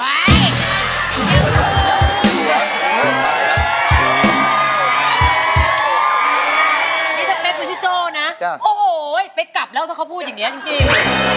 นี่จะเป็นคุณพี่โจ้นะโอ้โหไปกลับแล้วถ้าเขาพูดอย่างเนี้ยจริง